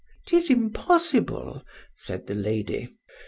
—'Tis impossible, said the lady.